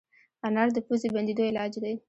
انار د پوزې بندېدو علاج دی.